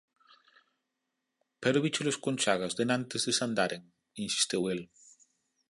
Pero víchelos con chagas... denantes de sandaren? −insistiu el.